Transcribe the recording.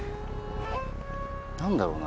何だろうな。